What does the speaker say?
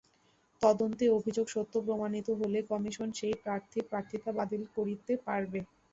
তদন্তে অভিযোগ সত্য প্রমাণিত হলে কমিশন সেই প্রার্থীর প্রার্থিতা বাতিল করতে পারবে।